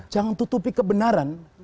jangan tutupi kebenaran